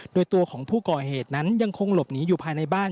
โดยตัวของผู้ก่อเหตุนั้นยังคงหลบหนีอยู่ภายในบ้าน